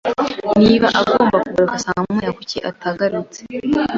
Niba agomba kugaruka saa moya, kuki atagarutse?